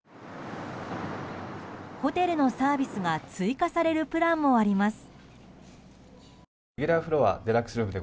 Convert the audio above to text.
ホテルのサービスが追加されるプランもあります。